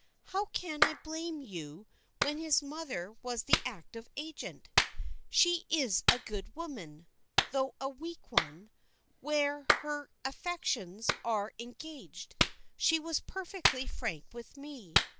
"How can I blame you when his mother was the active agent? She is a good woman, though a weak one, where her affections are engaged. She was perfectly frank with me.